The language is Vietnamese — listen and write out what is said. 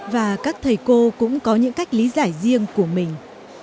và các thầy cô cũng có những cách lý giải riêng của mình